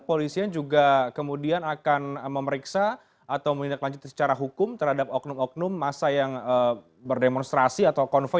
polisi juga kemudian akan memeriksa atau melakukan tindakan secara hukum terhadap oknum oknum massa yang berdemonstrasi atau konvoy